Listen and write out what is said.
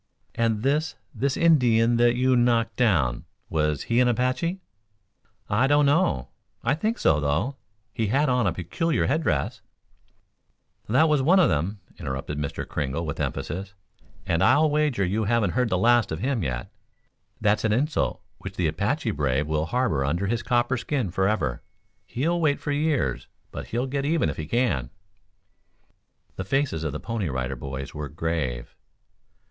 "And this this Indian that you knocked down was he an Apache?" "I don't know. I think so, though. He had on a peculiar head dress "That was one of them," interrupted Mr. Kringle, with emphasis. "And I'll wager you haven't heard the last of him yet. That's an insult which the Apache brave will harbor under his copper skin forever. He'll wait for years, but he'll get even if he can." The faces of the Pony Rider Boys were grave.